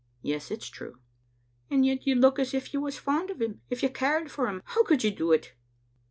'* "Yes, it is true." " And yet you look as if you was fond o' him. If you cared for him, how could you do it?"